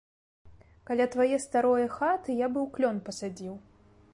Каля твае старое хаты я быў клён пасадзіў.